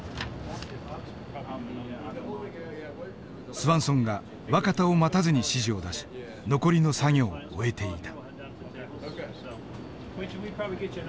スワンソンが若田を待たずに指示を出し残りの作業を終えていた。